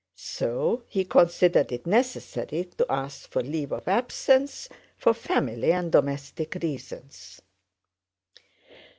So he considered it necessary to ask for leave of absence for family and domestic reasons.